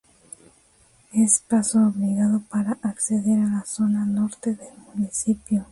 Es paso obligado para acceder a la zona norte del municipio.